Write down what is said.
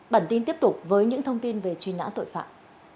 bản tin tiếp tục với những thông tin về truy nã tội phạm